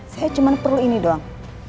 saya cuma perlu ini doang